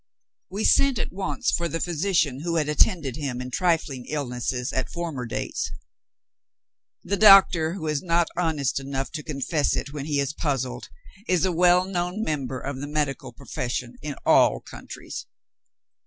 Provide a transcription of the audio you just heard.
We sent at once for the physician who had attended him in trifling illnesses at former dates. The doctor who is not honest enough to confess it when he is puzzled, is a well known member of the medical profession in all countries.